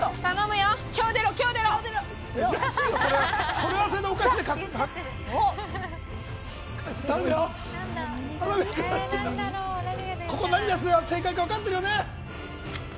何を出すのが正解か分かってるよね。